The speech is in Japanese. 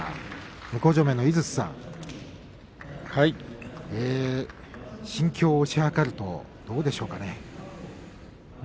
向正面の井筒さん心境を推し量るとどうですか。